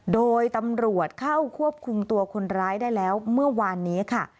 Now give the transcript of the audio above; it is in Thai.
โดยตำรวจเข้าควบคุมตัวคนร้ายได้แล้วเมื่อวานนี้ค่ะ